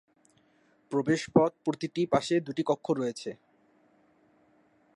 প্রবেশপথ প্রতিটি পাশে দুটি কক্ষ রয়েছে।